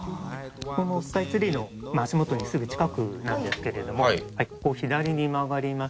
「このスカイツリーの足元のすぐ近くなんですけれどもここを左に曲がりまして行きますと」